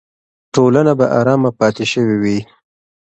ټولنه به ارامه پاتې شوې وي.